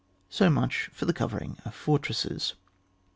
So much for the covering of fortresses.